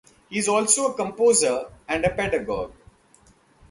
He is also a composer and pedagogue.